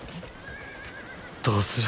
どうする？